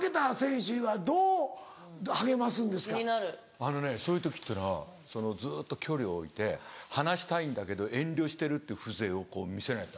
あのねそういう時っていうのはずっと距離を置いて話したいんだけど遠慮してるって風情をこう見せないと。